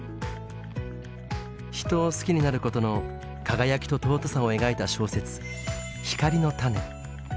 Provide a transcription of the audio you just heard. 人を好きになることの輝きと尊さを描いた小説「ヒカリノタネ」。